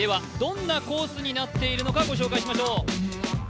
どんなコースになっているのかご紹介しましょう。